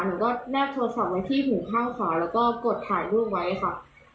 หนูก็แนบโทรศัพท์ไว้ที่หูข้างขวาแล้วก็กดถ่ายรูปไว้ค่ะ